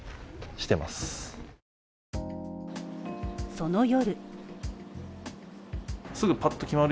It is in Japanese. その夜。